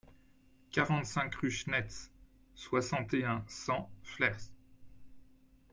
quarante-cinq rue Schnetz, soixante et un, cent, Flers